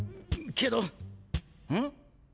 けどん？？